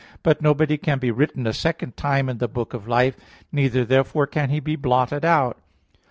But nobody can be written a second time in the book of life. Neither therefore can he be blotted out.